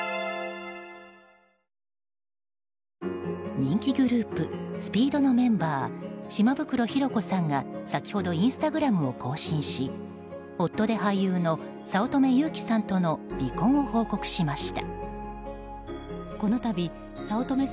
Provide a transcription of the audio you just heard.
人気グループＳＰＥＥＤのメンバー島袋寛子さんが先ほどインスタグラムを更新し夫で俳優の早乙女友貴さんとの離婚を報告しました。